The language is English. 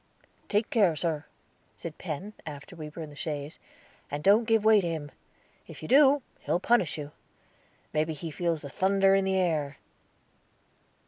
"Take care, sir," said Penn, after we were in the chaise, "and don't give way to him; if you do, he'll punish you. May be he feels the thunder in the air."